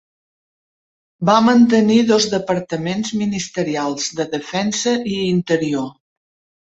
Va mantenir dos departaments ministerials de defensa i interior.